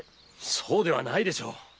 そうではないでしょう！